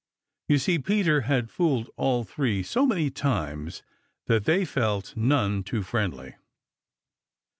You see, Peter had fooled all three so many times that they felt none too friendly.